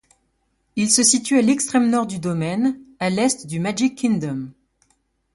Il se situe à l'extrême nord du domaine, à l'est du Magic Kingdom.